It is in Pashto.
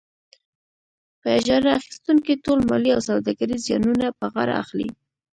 په اجاره اخیستونکی ټول مالي او سوداګریز زیانونه په غاړه اخلي.